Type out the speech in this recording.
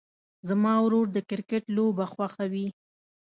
زما ورور د کرکټ لوبه خوښوي.